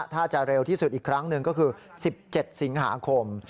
ถ้าจะเร็วที่สุดอีกครั้งหนึ่งก็คือ๑๗สิงหาคม